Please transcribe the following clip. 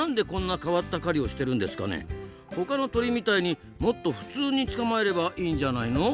ほかの鳥みたいにもっと普通に捕まえればいいんじゃないの？